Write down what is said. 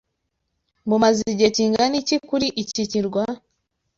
Mumaze igihe kingana iki kuri iki kirwa?